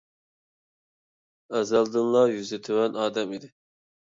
ئەزەلدىنلا يۈزى تۆۋەن ئادەم ئىدى.